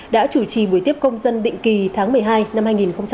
đã chủ trì buổi tiếp công dân định kỳ tháng một mươi hai năm hai nghìn một mươi tám